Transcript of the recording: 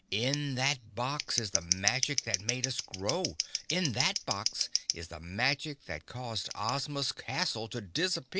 "In that box is the magic that made us grow. In that box is the magic that caused Ozma's castle to disappear—!"